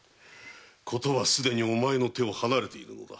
ことはすでにお前の手を離れているのだ。